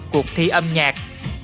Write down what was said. cuộc thi âm nhạc